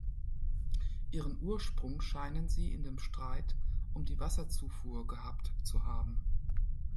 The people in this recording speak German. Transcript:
Ihren Ursprung scheinen sie in dem Streit um die Wasserzufuhr gehabt zu haben.